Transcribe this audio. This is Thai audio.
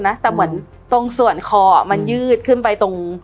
แต่เหมือนตรงส่วนคอมันยืดขึ้นไปตรง